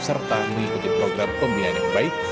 serta mengikuti program pembiayaan yang baik